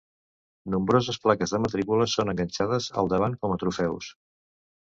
Nombroses plaques de matrícules són enganxades al davant com a trofeus.